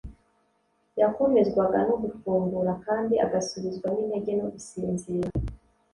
Yakomezwaga no gufungura kandi agasubizwamo intege no gusinzira.